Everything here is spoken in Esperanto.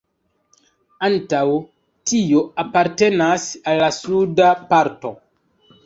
Ankaŭ tio apartenas al la suda parto.